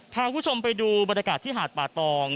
พาคุณผู้ชมไปดูบรรยากาศที่หาดป่าตอง